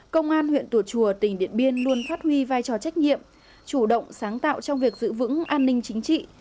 công an huyện tùa chùa tỉnh điện biên luôn phát huy vai trò trách nhiệm chủ động sáng tạo trong việc giữ vững an ninh chính trị